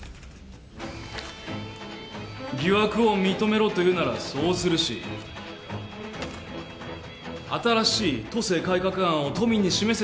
疑惑を認めろというならそうするし新しい都政改革案を都民に示せというのならそうする。